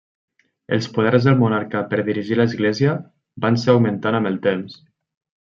Els poders del monarca per dirigir l'Església van ser augmentant amb el temps.